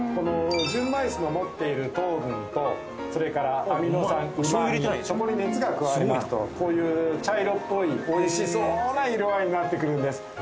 純米酢の持っている糖分とそれからアミノ酸うまみそこに熱が加わりますとこういう茶色っぽいおいしそうな色合いになってくるんです